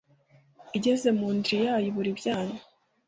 Igeze mu ndiri yayo ibura ibyana